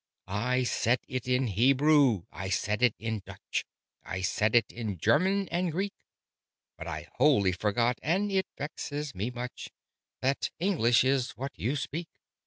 "I said it in Hebrew I said it in Dutch I said it in German and Greek: But I wholly forgot (and it vexes me much) That English is what you speak!"